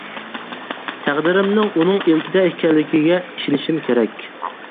تەقدىرىمنىڭ ئۇنىڭ ئىلكىدە ئىكەنلىكىگە ئىشىنىشىم كېرەك.